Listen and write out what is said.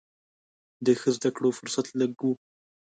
د ښه زده کړو فرصت لږ و.